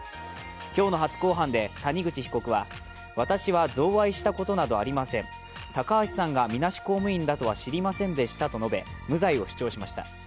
今日の初公判で谷口被告は私は贈賄したことなどありません、高橋さんがみなし公務員だとは知りませんでしたと述べ、無罪を主張しました。